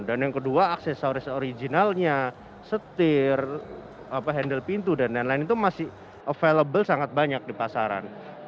dan yang kedua aksesoris originalnya setir apa handle pintu dan lain lain itu masih available sangat banyak di pasaran